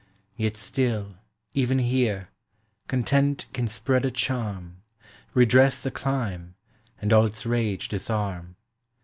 Yet still, even here, content can spread a charm, Redress the clime, and all its rage disarm.